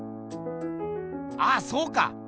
ああそうか！